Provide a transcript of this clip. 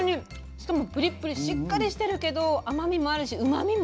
しかもプリップリしっかりしてるけど甘みもあるしうまみも。